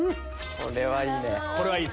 これはいいね！